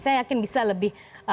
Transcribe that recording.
saya yakin bisa lebih